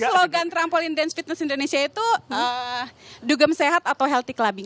karena slogan trampoline dance fitness indonesia itu dugem sehat atau healthy clubbing